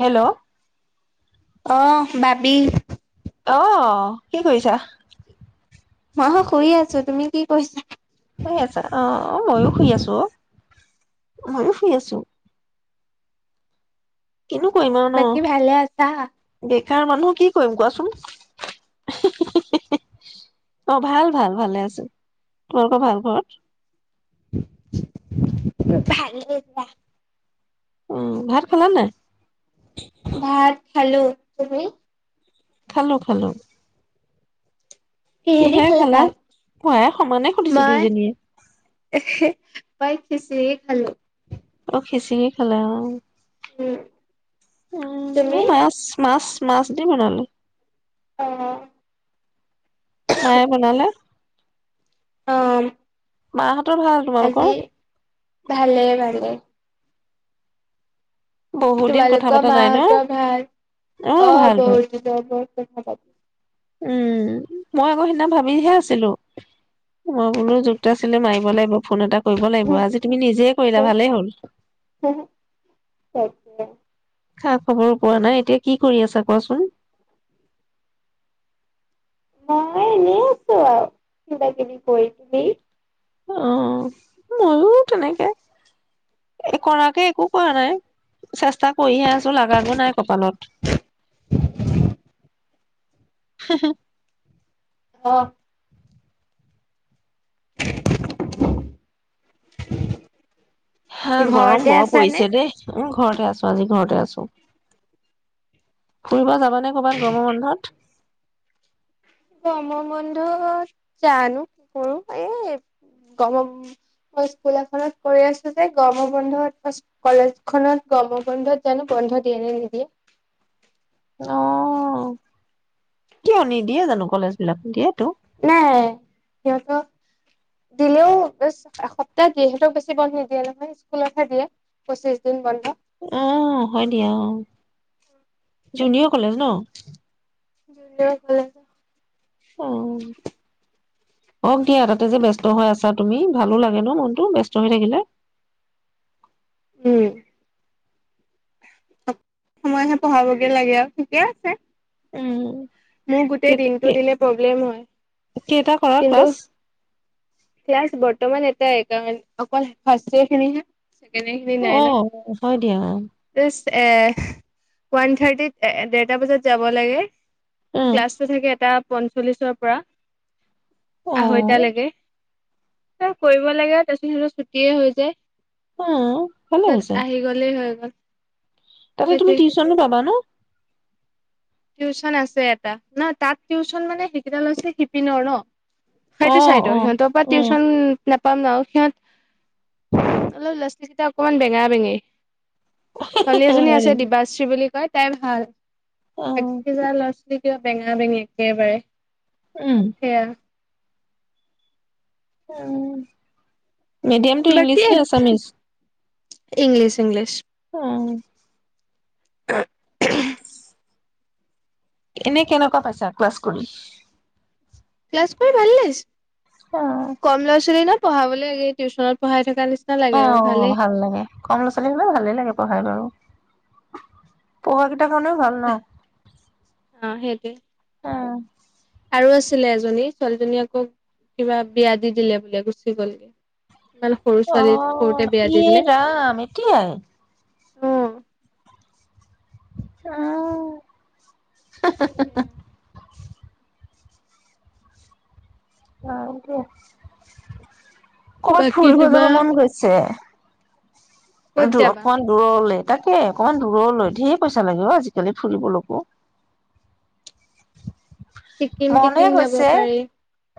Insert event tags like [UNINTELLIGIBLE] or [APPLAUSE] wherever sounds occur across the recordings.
Hello. অ', বাবি অহ, কি কৰিছা? মই শুই আছো তুমি কি কৰিছা? শুই‌‌ আছা অ', অ', ময়ো শুই আছো অ', ময়ো শুই আছো। কিনো কৰিম আৰু ন বাকী ভালে আছা? মানুহ কি কৰিম কোৱাচোন? অ', ভাল ভাল ভালে আছো। তোমালোকৰ ভাল ঘৰত? ভালেই দিয়া। উম, ভাত খালা নে নাই? ভাত খালো তুমি? খালো খালো। কিহেদি কিহেৰে খালা? ভাত ওৱাই সমানে সুধিছো মই দুইজনীয়ে। মই খিচিৰি খালো। অ খিচিৰি খালা অ। উম, তুমি মাছ মাছ মাছ দি বনালো। অ মায়ে বনালে। অ। মা হত হতৰ ভাল আজি তোমালোকৰ? ভালে ভালে। বহুত দিন কথা তোমালোকৰ পতা মা নাই ন হতৰ ভাল? অ ভাল ভাল বহুত দিনৰ মূৰত কথা পত উম মই আকৌ সিদিনা ভাবিহে আছিলো মই বোলো যুক্ত আছিলে মাৰিব লাগিব ফোন এটা কৰিব লাগিব পাতিছো আজি তুমি নিজে কৰিলা ভালেই হ'ল তে [UNINTELLIGIBLE] খা খবৰো পোৱা নাই এতিয়া কি কৰি আছা কোৱাচোন। মই এনেই আছো, আৰু কিবা কিবি কৰি তুমি? অ ময়ো তেনেকে কৰাকে একো কৰা নাই চেষ্টা কৰিহে আছো লাগো নাই কপালত। [INAUDIBLE] হম অ'- [INAUDIBLE] হা গৰম ঘৰতে বৰ আছানে পৰিছে দেই, ঘৰতে আছো আজি ঘৰতে আছো ফুৰিব যাব [UNINTELLIGIBLE] গৰমৰ বন্ধত গম বন্ধত জানো কি কৰো এই গম মই স্কুল এখনত কৰি আছো যে গম বন্ধত কলেজখনত গম বন্ধত জানো বন্ধ দিয়ে নে নিদিয়ে। অ' কিয় নিদিয়ে জানো কলেজ বিলাক দিয়েতো। নাই সিহঁতক দিলেও বে এসপ্তাহ দ সিহতক বেছি বন্ধ নিদিয়ে নহয় স্কুলতহে দিয়ে পঁচিশ দিন বন্ধ। অ' হয় দিয়া অ' জুনিয়ৰ কলেজ ন? জুনিয়ৰ কলেজ অ অ' হওক দিয়া তাতে যে ব্যস্ত হৈ আছা তুমি ভালো লাগে ন মনটো ব্যস্ত হৈ থাকিলে। উম অ সময়হে পঢ়াবগে লাগে আৰু ঠিকে আছে। উম মোৰ গোটেই কে দিনটো কে দিলে প্ৰব্লেম হয় কেইটা কৰা কিন্তু, ক্লাছ? ক্লাছ বৰ্তমান এটাই কাৰণ অকল ফাৰ্ষ ইয়াৰ খিনি হে অ' হয় দিয়া। জাষ্ট এ ওৱান থাৰ্টিত এ দেৰটা বজাত যাব লাগে। উম, ক্লাছটো থাকে এটা পঞ্চল্লিছৰ পৰা আহৈতা অ', লেকে- এ কৰিব লাগে তাৰপিছত হত ছুটিয়ে হৈ যায়। অ', ভালে পিছত হৈছে আহি গ'লেই হৈ গ'ল। তাতে তুমি সেইটোৱে টিউচনো পাবা ন? টিউচন আছে এটা ন তাত টিউচন মানে সেইকেই লৈছে শিপিনৰ ন সেইটো অ', চাইডৰ অ', সিহঁতৰ পৰা উম, টিউচন নাপাম ন সিহঁত অলপ ল'ৰা-ছোৱালী কেইটা অকনমান বেঙা-বেঙী। ছোৱালী এজনী হয় আছে নেকি? দিবাশ্ৰী বুলি কয়। তাই ভাল এক অ', হেজাৰ লৈছে কা বেঙা বেঙ একেবাৰে উম, সে উম মিডিয়াম টু ইংলিছ বাকী নে আছামিছ ইংলিছ ইংলিছ উম অ এনে কেনেকুৱা পাইছা ক্লাছ কৰি ক্লাছ কৰি ভালে লাগিছে অ', কম ল'ৰা ছোৱালী পঢ়াবলৈ লাগে টিউচনত পঢ়াই থকা নিচি অ', ভাল লাগে কম ল'ৰা ছোৱালী হলে ভালেই লাগে পঢ়াই বাৰু। পহ কি কনেও ভাল ন অ সেইটোৱে উ', আৰু আছিলে এজনী ছোৱালীজনী আক কিবা বিয়া দি দিলে বুলে গুচি গলগে। ইমান সৰু ছোৱালী সৰুতে অ', বিয়া দি ইৰাম এতিয়াই। উম ', আহ', হা - হা - হা - হা সেয়া। অকে ক'ৰবাত বাকী ফুল হৈ তোমাৰ যাব মন গৈছে। অ ক'ত তো যাবা অকমান দূৰলে তাকে অকণমান দূৰলৈ ঢেৰ পইচা লাগে অ আজিকালি ফুৰিবলৈকো ছিকিম ছিকিম যাব পাৰি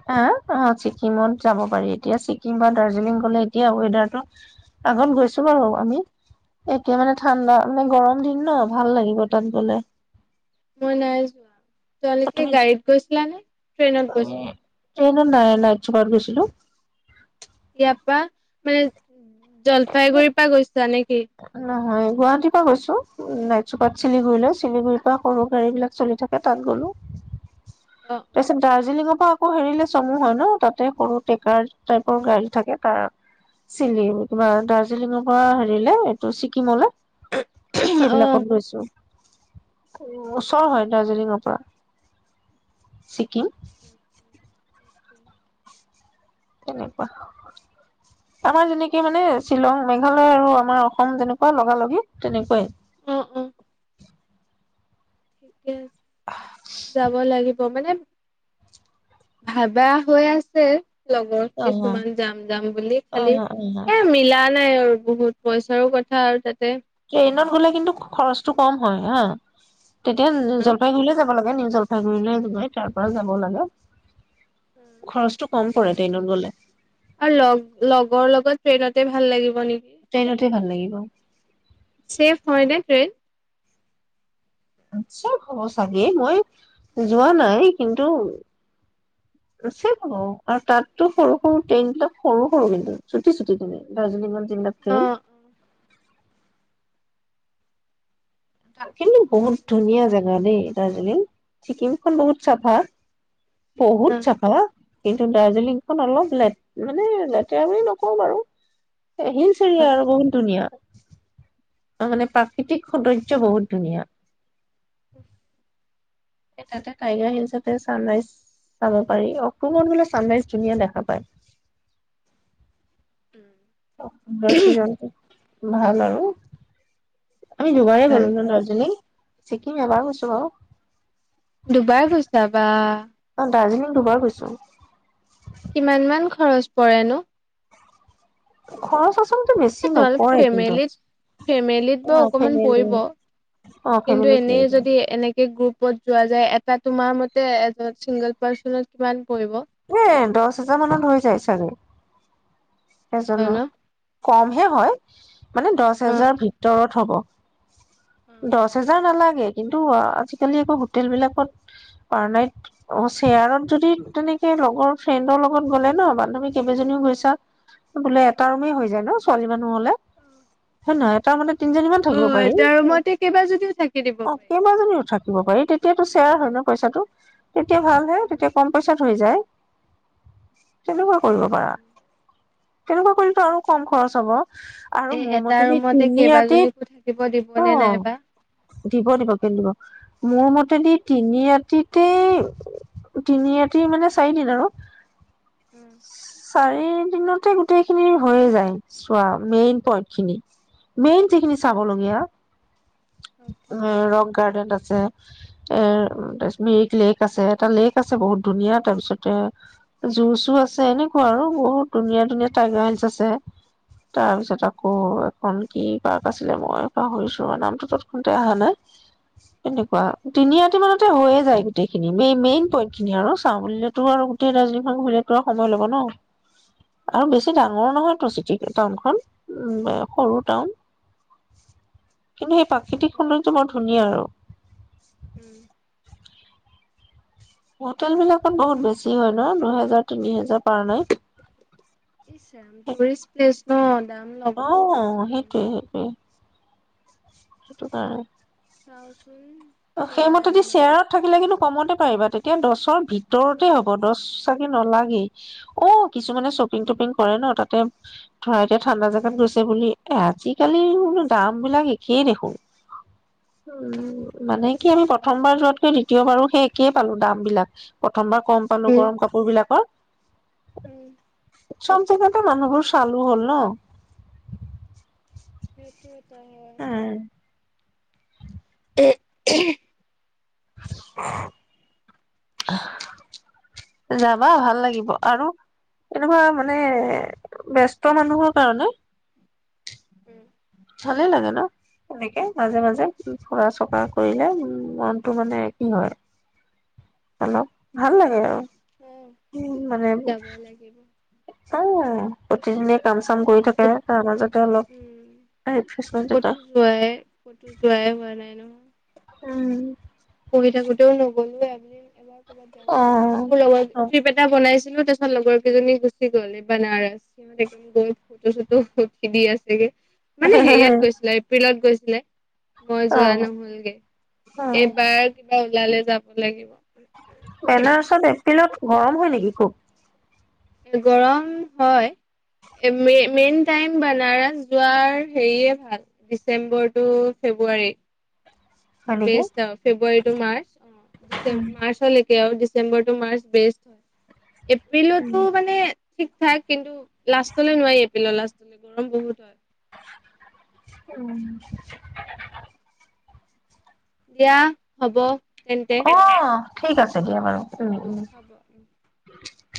হ অ ছিকিমত যাব পাৰি এতিয়া ছিকিমত বা দাৰ্জিলিং গলে এতিয়া ৱেডাৰটো আগত গৈছো বাৰু আমি একে মানে ঠাণ্ডা মানে গৰম দিন ন ভাল লাগিব তাত গলে মই নাই যোৱা। তোমালোকে তুমি গাড়ীত গৈছিলা নে ট্ৰেইনত গৈছিলা। ট্ৰেইনত নাই নাইট চুপাৰত গৈছিলো। ইয়াৰপা মানে জলপাইগুৰিৰ পৰা গৈছো নেকী [UNINTELLIGIBLE] হয় গুৱাহাটীৰ পৰা গৈছো নাইট চুপাৰত চিলিগুৰি লৈ চিলিগুৰিৰ পৰা সৰু গাড়ী বিলাক চলি থাকে তাত গ'লো। অ তাৰপিছত দাৰ্জিলিঙত আকৌ, হেৰিলে চমু হয় ন? তাতে সৰু ট্ৰেকাৰ টাইপৰ গাড়ী থাকে, তাৰ চিলিগু কিবা দাৰ্জিলিঙৰ পৰা হেৰি লে, এইটো ছিকিমলে। অ সেইবিলাকত গৈছোঁ। উম ওচৰ হয় দাৰ্জিলিঙৰ পৰা ছিকিম। উম অ'কে। তেনেকুৱা। আমাৰ যেনেকে মানে, শ্বিলং, মেঘালয় আৰু আমাৰ অসম তেনেকুৱা লগা-লগি, তেনেকুৱাই অ, অ [UNINTELLIGIBLE] ঠিকে কে আছে, যাব লাগি ব মানে, ভাবা হৈ আছে। লগৰ অ', কিছুমানে যাম, যাম বুলি খালি অ', অ', এ, মিলা নাই আৰু বহুত পইচাৰো কথা, আৰু তাতে ট্ৰেইনত গ'লে কিন্তু খৰচটো কম হয়, হা। তেতিয়া জ ন জলপাইগুৰিলে যাব ব লাগে। নিউ জলপাইগুৰিলে গৈ তাৰ পৰা যাব লাগে। খৰচটো কম পৰে ট্ৰেইনত গ'লে। আৰু লগ-লগৰ লগত ট্ৰেইনতে ভাল লাগিব নেকি? ট্ৰেইনতে ভাল লাগিব চেফ হয় নে ট্ৰেইন? চব হ'ব ছাগে, মই যোৱা নাই, কিন্তু--চব হ'ব আৰু তাতটো সৰু, সৰু ট্ৰেইন বিলাক সৰু, সৰু কিন্তু, চুটি, চুটি কিনে। দাৰ্জিলিঙত জিলাপী অ অ থাকিলোঁ, বহুত ধুনীয়া জেগা দেই দাৰ্জিলিং। ছিকিমখন বহুত চাফা। বহুত চাহ খাবা? কিন্তু দাৰ্জিলিংখন অলপ--লেত-মানে, লেতেৰা বুলি নকওঁ বাৰু হিলচ অ এৰিয়া আৰু বহুত ধুনীয়া। অ মানে, প্ৰাকৃতিক সৌন্দৰ্য্য বহুত ধুনীয়া। [UNINTELLIGIBLE] এ তাত। ব ছিজন [UNINTELLIGIBLE] ভাল আৰু আমি দুবাৰে গ'লো জানা দাৰ্জিলিং? ভাল চিকিম ভাল এবাৰ গৈছোঁ বাৰু দুবাৰ গৈছা বা অ দাৰ্জিলিং দুবাৰ গৈছোঁ। কিমান মান খৰচ পৰে নো? খৰচ-থৰচ তোমালোক ফেমিলিত, ফেমিলিত অ বাৰু অকমান ফেমিলি পৰিব, অ কিন্তু ফেমিলি এনে যদি এ এনেকে গ্ৰুপ। ক'ত যোৱা যায় এটা তোমাৰ মতে এজন চিংগল পাৰ্চনত কিমান পৰি়ব? এ দচ হাজাৰ মানত হৈ যায়, চাগৈ। হয় ন এজনৰ। কমহে হয়। মানে দচ অ হেজাৰ ভিতৰত হ'ব। দচ হেজাৰ নালাগে কিন্তু আজিকালি আকৌ হোটেল বিলাকত পাৰ নাইট অ', শ্বেয়াৰত যদি তেনেক সেই লগৰ ফ্ৰেণ্ডৰ লগত গ'লে ন বান্ধৱীক কেইবাজনীও গৈছা বোলে এটা ৰুমে হৈ যায় ন? ছোৱালী মানুহ হ'লে অ'। [UNINTELLIGIBLE] এটা মানে তিনিজনীমান থাকিব পাৰি, এটা ৰুমতে কেইবাজনীও থাকি দিব অ', পাৰি কেইবাজনীও থাকিব পাৰি তে এতিয়াতো শ্বেয়াৰ হয় ন? পইচাটো। তেতিয়া ভাল হে, তেতিয়া কম পইচাত হৈ যায়। তেনেকুৱা কৰিব পাৰা। তেনেকুৱা কৰিলেতো আৰু কম খৰচ হ'ব। আৰু এই মোৰ এটা মতেদি ৰুমতে তিনি ৰাতি, কেইবাজনীকো থাকিব দিবনে নাইবা অ', দিব দিব কেলে নিদিব, মোৰ মতে। যদি তিনিৰাতিতেই, তিনিৰাতি। [UNINTELLIGIBLE] মানে চাৰিদিন আৰু। উম চাৰি দিনতে গোটেই খিনি হৈয়ে যায় চোৱা, মেইন পইন্ট খিনি। মেইন যিখিনি অ'কে, চাবলগীয়া, অ'কে। ৰক গাৰ্ডেন আছে। এৰ তাৰপিছত, মিৰিক লেক আছে, এটা লেক আছে বহুত। ধুনীয়া তাৰ পিছতে, জু-চু আছে এনেকুৱা আৰু বহুত। ধুনীয়া ধুনীয়া টাইগাৰ হিলছ্ আছে। তাৰ পিছত আকৌ এখন কি পাৰ্ক আছিলে, মই পাহৰিছোঁ, নামটো তৎক্ষনতে অহা নাই। এনেকুৱা তিনিৰাতি মানতে হৈয়ে যায়, গোটেইখিনি মেই-মেইন পইন্ট খিনি আৰু। চাওবুলিলেতো আৰু গোটেই দাৰ্জিলিংখন ঘূৰিলেতো আৰু সময় ল'ব ন'। আৰু বেছি ডাঙৰ নহয়তো চিটি। টাউনখন উ সৰু টাউন, কিন্তু সেই পাক। প্ৰাকৃতিক সৌন্দৰ্যটো বৰ ধুনীয়া আৰু। উম হোটেল বিলাকত বহুত বেছি হয় ন', দুহেজাৰ, তিনি হজাৰ পাৰ নাইট। Tourist place. অঁ সেইটোৱে। উম সেইটো কাৰণে চাওচো অ' সেইমতেদি শ্বেয়াৰত থাকিলে কিন্তু কমতে পাৰিবা তেতিয়া দছত ভিতৰতে হ'ব দছ চাগে নালাগেই অঁ কিছুমানে শ্বপিং-তপিং কৰে ন তাতে ধৰা এতিয়া ঠাণ্ডা জোগাত গৈছে বুলি এ আজিকালি দাম উম বিলাক একেই দেখো। উম মানে কি আমি প্ৰথমবাৰ যোৱাতকৈ দ্বিতীয়বাৰো সেই একেই পালো দাম বিলাক প্ৰথমবাৰ কম পালো গৰম কাপোৰ বিলাকৰ। উম চব জেগাতে মানুহবোৰ চালু হ'ল ন। সেইটোৱে পাই। উম [UNINTELLIGIBLE] যাবা ভাল লাগিব আৰু এনেকুৱা মানে ব্যস্ত মানুহৰ কাৰণে উম ভালেই লাগে ন এনেকে মাজে মাজে ফুৰা-চকা কৰিলে উম মনটো মানে এক্তিভ হয় অলপ ভাল লাগে আৰু। উম মানে যাব লাগিব। উম প্ৰতিদিনে কাম চাম কৰি থাকে তাৰ মাজতে অলপ উম ৰিফ্ৰেছমেণ্ট এটা ক'তো যোৱাই ক'তো যোৱাই হোৱা নাই ন। [UNINTELLIGIBLE] উম পঢ়ি থাকোতেও নগলোয়ে [UNINTELLIGIBLE] এবাৰ। ক'বাত যাব অ লাগিব, মোৰ লগত অ ট্ৰিপ এটা বনাইছিলো তাৰপি ছত লগৰ কেইজনী গুচি গ'ল এই বানাৰস সিহঁত একদম গৈ ফুটো-চুটো উঠি দি আছেগে। মানে হেৰিয়াত গৈছিলে এপ্ৰিলত গৈছিলে। মই যোৱা অ নহ'লগে। এই বাৰ কিবা ওলালে যাব লাগিব। বেনাৰসত এপ্ৰিলত গৰম হয় নেকি খুব? গৰম হয় এ মে মেইন টাইম বানাৰস যোৱাৰ হেৰিয়ে ভাল ডিচেম্বৰ টু ফেব্ৰুৱাৰী। হয় নেকি বেষ্ট আৰু February to March December March লেকে। কে আৰু ডিচেম্বৰ মাৰ্চ বেষ্ট। এপ্ৰিলতো মানে ঠিক ঠাক কিন্তু লাষ্টলে নোৱাৰি এপ্ৰিলৰ লাষ্টলে গৰম বহুত হয়। উম দিয়া হ'ব তেন্তে অ ঠিক আছে দিয়া বাৰু উম উম [UNINTELLIGIBLE]